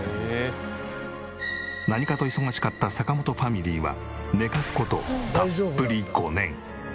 何かと忙しかった坂本ファミリーは寝かす事たっぷり５年。